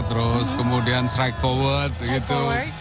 terus kemudian strike forward gitu